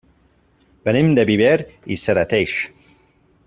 Venim de Viver i Serrateix.